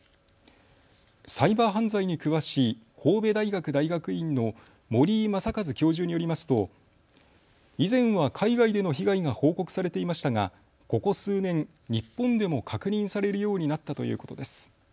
サイバー犯罪に詳しい神戸大学大学院の森井昌克教授によりますと以前は海外での被害が報告されていましたがここ数年、日本でも確認されるようになったということです。